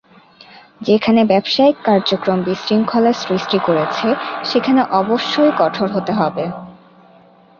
যেখানে ব্যবসায়িক কার্যক্রম বিশৃঙ্খলার সৃষ্টি করছে, সেখানে অবশ্যই কঠোর হতে হবে।